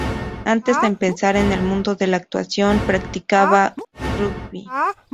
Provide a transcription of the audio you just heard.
Antes de empezar en el mundo de la actuación practicaba rugby.